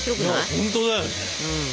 ほんとだよね。